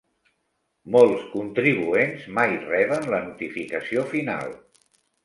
Molts contribuents mai reben la notificació final.